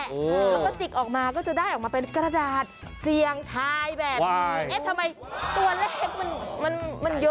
แล้วจิกออกมาก็จะได้ออกมาเป็นกระดาษเสียงทายแบบ